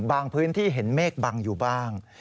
พื้นที่เห็นเมฆบังอยู่บ้าง